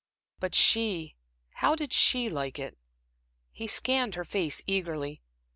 But she how did she like it? He scanned her face eagerly.